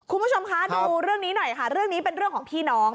คุณผู้ชมคะดูเรื่องนี้หน่อยค่ะเรื่องนี้เป็นเรื่องของพี่น้อง